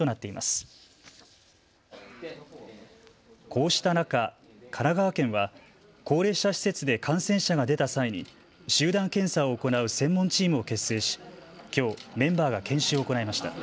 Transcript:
こうした中、神奈川県は高齢者施設で感染者が出た際に集団検査を行う専門チームを結成し、きょうメンバーが研修を行いました。